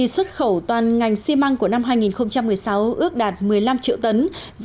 xuất khẩu toàn ngành xi măng của năm hai nghìn một mươi sáu ước đạt một mươi năm triệu tấn